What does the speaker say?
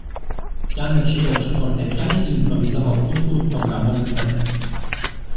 Janek siedział przy fortepianie i improwizował utwór programowy pt.